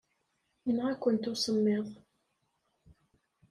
Yenɣa-kent usemmiḍ.